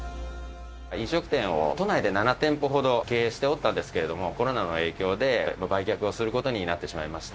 飲食店を都内で７店舗ほど経営しておったんですけれども、コロナの影響で売却をすることになってしまいました。